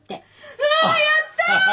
うわやった！